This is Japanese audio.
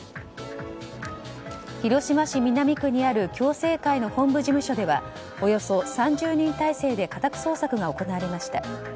広島市南区にある共政会の本部事務所ではおよそ３０人態勢で家宅捜索が行われました。